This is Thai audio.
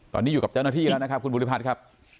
ตอนนี้อยู่กับเจ้าหน้าที่แล้วนะครับคุณบุริพัฒน์ครับ